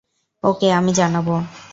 ওকে, আমি জানাবো।